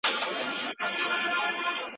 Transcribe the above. مشران په غرب کي روزل سوي دي.